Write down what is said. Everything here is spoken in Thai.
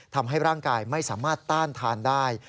ทำให้ร่างกายไม่สามารถต้านทานได้